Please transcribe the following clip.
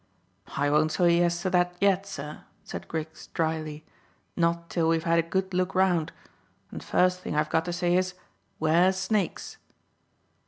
"I won't say yes to that yet, sir," said Griggs dryly; "not till we've had a good look round. And first thing I've got to say is, 'Ware snakes."